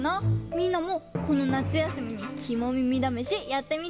みんなもこのなつやすみに「きも耳だめし」やってみてね！